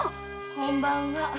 ⁉こんばんは。